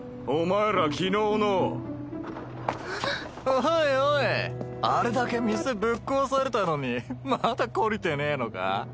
おいおいあれだけ店ぶっ壊されたのにまだ懲りてねぇのか？